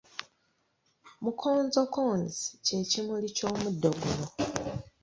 Mukonzokonzi kye kimuli ky’omuddo guno.